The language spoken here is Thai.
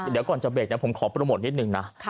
เดี๋ยวก่อนจะเบรกผมขอโปรโมทนิดนึงนะ